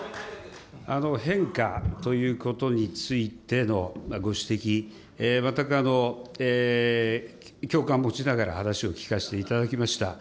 変化ということについてのご指摘、全く共感持ちながら話を聞かせていただきました。